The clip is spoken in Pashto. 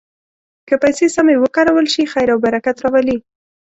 که پیسې سمې وکارول شي، خیر او برکت راولي.